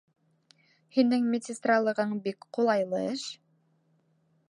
Һинең медсестралығың бик ҡулайлы эш.